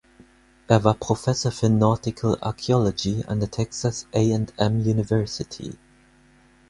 Er war Professor für „Nautical Archaeology“ an der Texas A&M University.